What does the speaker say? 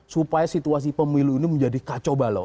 supaya situasi pemilu ini menjadi kacau balau